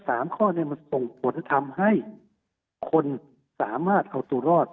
สามข้อเนี่ยมันส่งผลทำให้คนสามารถเอาตัวรอด